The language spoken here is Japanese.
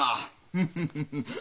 フフフ。